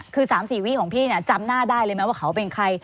คือ๓๔วี่ของพี่จำหน้าได้เลยไหมว่าเขาเป็นใคร